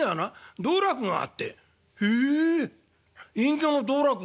「へえ隠居の道楽？